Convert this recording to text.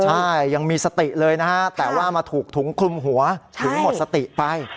ใช่ยังมีสติเลยนะฮะแต่ว่ามาถูกถุงคลุมหัวถึงหมดสติไป